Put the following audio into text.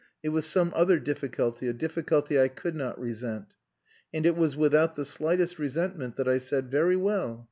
It was some other difficulty a difficulty I could not resent. And it was without the slightest resentment that I said "Very well.